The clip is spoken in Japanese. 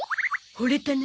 ほれたね？